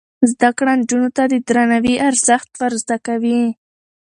زده کړه نجونو ته د درناوي ارزښت ور زده کوي.